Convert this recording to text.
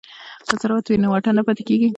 که سرعت وي نو واټن نه پاتې کیږي.